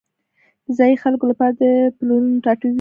د ځایی خلکو لپاره دا د پلرونو ټاټوبی دی